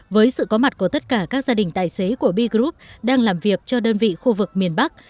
với sự có mặt của tất cả các gia đình tài xế của b group đang làm việc cho đơn vị khu vực miền bắc